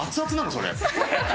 それ。